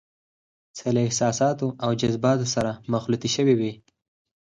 چې له احساساتو او جذباتو سره مخلوطې شوې وي.